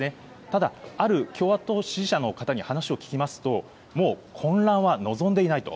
ただ、ある共和党支持者の方に話を聞きますと、もう混乱は望んでいないと。